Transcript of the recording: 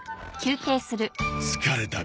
疲れたべ。